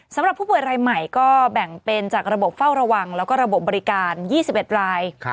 สำหรับผู้ป่วยรายใหม่ก็แบ่งเป็นจากระบบเฝ้าระวังแล้วก็ระบบบบริการ๒๑ราย